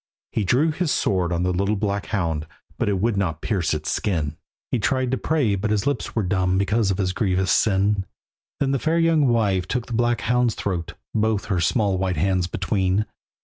He drew his sword on the little black hound, But it would not pierce its skin, He tried to pray, but his lips were dumb Because of his grievous sin. Then the fair young wife took the black hound's throat Both her small white hands between.